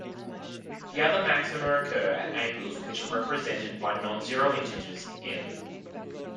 The other maxima occur at angles which are represented by non-zero integers "m".